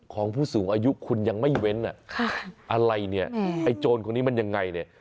ของผู้สูงอายุคุณยังไม่เว้นอ่ะอะไรเนี่ยไอ้โจรคนนี้มันยังไงเนี่ย